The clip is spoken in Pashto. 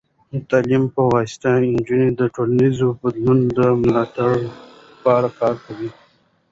د تعلیم په واسطه، نجونې د ټولنیزو بدلونونو د ملاتړ لپاره کار کوي.